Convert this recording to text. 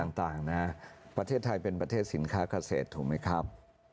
ต่างนะประเทศไทยเป็นประเทศสินค้าเกษตรถูกไหมครับ